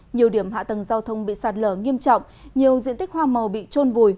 nhiều điểm hạ tầng giao thông bị sạt lở nghiêm trọng nhiều diện tích hoa màu bị trôn vùi